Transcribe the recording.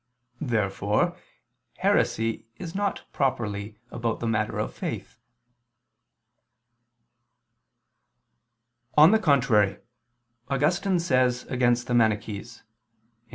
Therefore heresy is not properly about the matter of faith. On the contrary, Augustine says against the Manichees [*Cf.